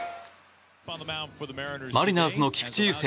マリナーズの菊池雄星。